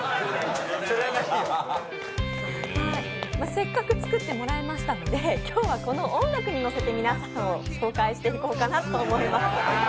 せっかく作ってもらいましたので今日はこの音楽に乗せて皆さんを紹介していこうかなと思います。